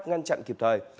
để đảm bảo tình trạng kịp thời